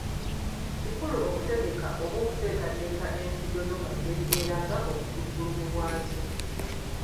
Kikulu okutegeka/okuteekateka ensigo zo mu ngeri eraga obusukkulumu bwazo.